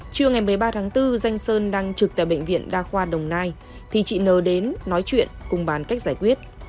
trưa ngày một mươi ba tháng bốn danh sơn đang trực tại bệnh viện đa khoa đồng nai thì chị n đến nói chuyện cùng bàn cách giải quyết